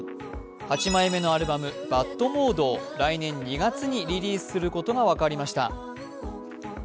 ８枚目のアルバム「ＢＡＤモード」を来年２月にリリースすることが分かりました。